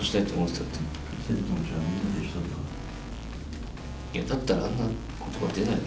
いやだったらあんな言葉出ないだろ。